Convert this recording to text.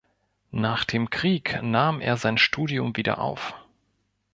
Nach dem Krieg nahm er sein Studium wieder auf.